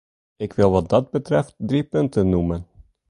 Ik wil wat dat betreft drie punten noemen.